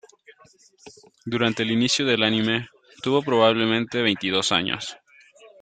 Durante el inicio del anime tuvo probablemente veintidós años.